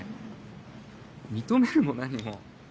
認めるも何も。